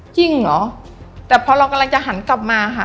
จริงเหรอแต่พอเรากำลังจะหันกลับมาค่ะ